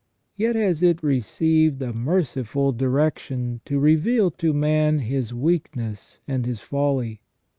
Yet has it received a merciful direction to reveal to man his weakness and his folly.